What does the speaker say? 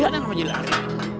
jangan sama dia lari